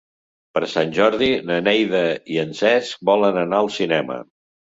Per Sant Jordi na Neida i en Cesc volen anar al cinema.